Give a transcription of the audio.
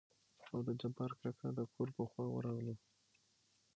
او د جبار کاکا دکور په خوا ورغلو.